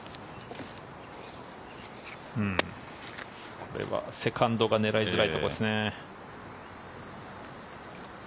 これはセカンドが狙いづらいところですね。